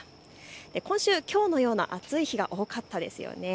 今週、きょうのような暑い日が多かったですよね。